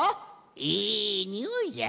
いいにおいじゃ。